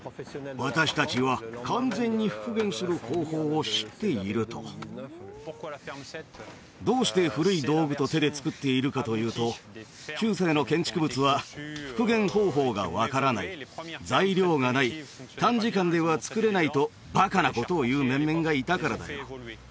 私達は完全に復元する方法を知っているとどうして古い道具と手で造っているかというと中世の建築物は復元方法が分からない材料がない短時間では造れないとバカなことを言う面々がいたからだよ